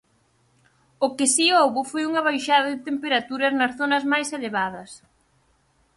O que si houbo foi unha baixada de temperaturas nas zonas máis elevadas.